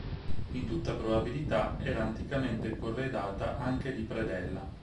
In tutta probabilità era anticamente corredata anche di predella.